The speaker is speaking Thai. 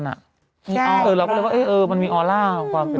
แล้วก็เลยว่ามีออลลาร์ความเป็นปั่นแบบ